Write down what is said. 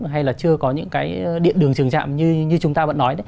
hay là chưa có những cái điện đường trường trạm như chúng ta vẫn nói đấy